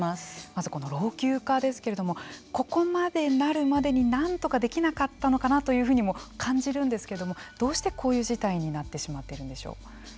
まず、この老朽化ですけどもここまでなるまでになんとかできなかったのかなというふうにも感じるんですけどもどうしてこういう事態になってしまっているんでしょう。